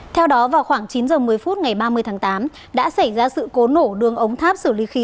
theo đó vào khoảng chín h một mươi phút ngày ba mươi tháng tám đã xảy ra sự cố nổ đường ống tháp xử lý khí